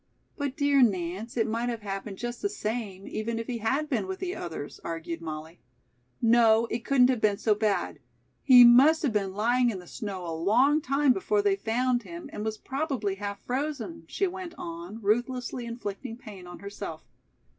"But, dear Nance, it might have happened just the same, even if he had been with the others," argued Molly. "No, it couldn't have been so bad. He must have been lying in the snow a long time before they found him, and was probably half frozen," she went on, ruthlessly inflicting pain on herself.